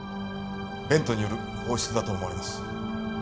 ベントによる放出だと思われます。